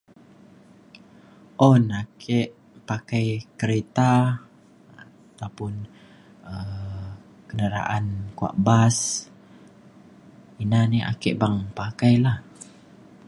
Un ake pakai kereta ataupun um kenderaan kua' bus inah neh ake beng pakai lah.